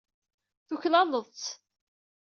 Tuklaleḍ-tt.